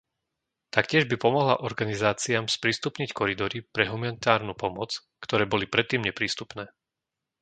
Taktiež by pomohla organizáciám sprístupniť koridory pre humanitárnu pomoc, ktoré boli predtým neprístupné.